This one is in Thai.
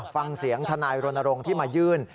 ฟังเสียงธนายรณรงค์ที่มายื่น